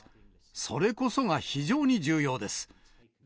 それこそが非常に重要です。